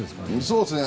そうですね。